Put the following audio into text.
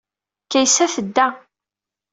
Kaysa tedda.